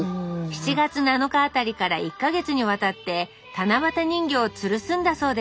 ７月７日あたりから１か月にわたって七夕人形をつるすんだそうです